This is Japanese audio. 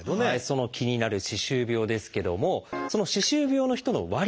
その気になる歯周病ですけどもその歯周病の人の割合